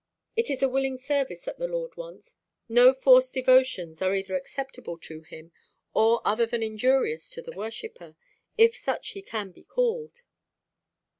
It is a willing service that the Lord wants; no forced devotions are either acceptable to him, or other than injurious to the worshipper, if such he can be called."